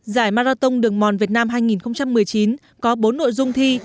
giải marathon đường mòn việt nam hai nghìn một mươi chín có bốn nội dung thi